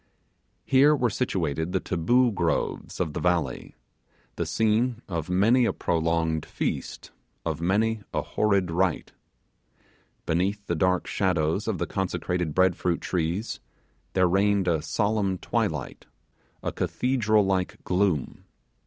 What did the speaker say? Here were situated the Taboo groves of the valley the scene of many a prolonged feast, of many a horrid rite. Beneath the dark shadows of the consecrated bread fruit trees there reigned a solemn twilight a cathedral like gloom.